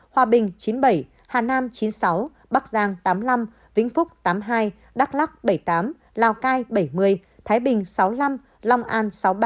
hòa bình chín mươi bảy hà nam chín mươi sáu bắc giang tám mươi năm vĩnh phúc tám mươi hai đắk lắc bảy mươi tám lào cai bảy mươi thái bình sáu mươi năm long an sáu mươi ba